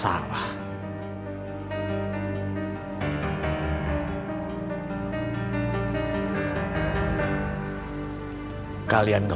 nanggap kamu beneficial